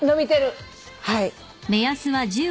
はい。